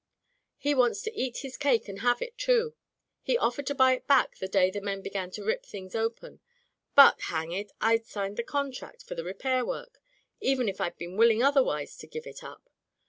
"He wants to eat his cake and have it too. He offered to buy it back the day the men began to rip things open; but, hang it! I'd signed the contract for the repair work — even if I'd been willing otherwise to give it up.